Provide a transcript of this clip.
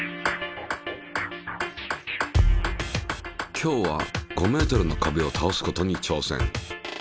今日は５ｍの壁をたおすことに挑戦。